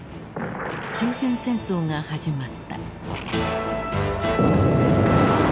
朝鮮戦争が始まった。